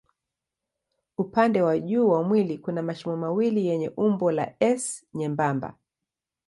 Upande wa juu wa mwili kuna mashimo mawili yenye umbo la S nyembamba.